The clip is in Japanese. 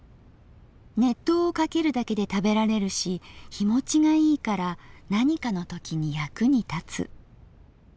熱湯をかけるだけで食べられるし日保ちがいいから何かのときに役に立つ」。